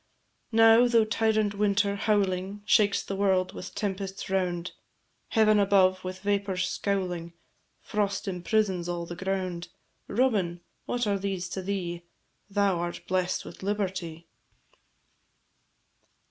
Now, though tyrant Winter, howling, Shakes the world with tempests round, Heaven above with vapours scowling, Frost imprisons all the ground: Robin! what are these to thee? Thou art bless'd with liberty.